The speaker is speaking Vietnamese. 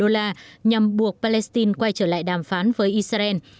đô la nhằm buộc palestine quay trở lại đàm phán với israel